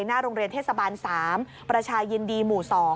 หน้าโรงเรียนเทศบาล๓ประชายินดีหมู่๒